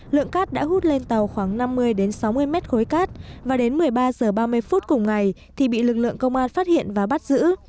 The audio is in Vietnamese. lượng cát đã hút lên tàu khoảng năm mươi sáu mươi mét khối cát và đến một mươi ba h ba mươi phút cùng ngày thì bị lực lượng công an phát hiện và bắt giữ